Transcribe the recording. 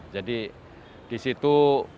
jadi di situ